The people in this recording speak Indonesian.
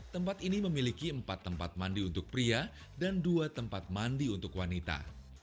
tempat ini memiliki empat tempat mandi untuk pria dan dua tempat mandi untuk wanita